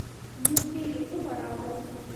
موږ تیل له کومه راوړو؟